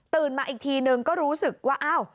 ตื่นมาอีกทีหนึ่งก็รู้สึกว่าเอ้า